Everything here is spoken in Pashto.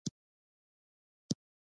چې د ماښام اذانونه کېدل، ټک ته ورسېدم.